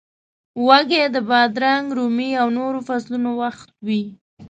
وږی د بادرنګ، رومي او نورو فصلونو وخت وي.